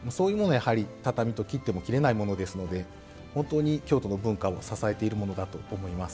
やはり畳と切っても切れないものですので本当に京都の文化を支えているものだと思います。